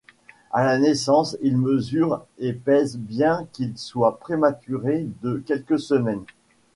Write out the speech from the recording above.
À la naissance, il mesure et pèse bien qu'il soit prématuré de quelques semaines.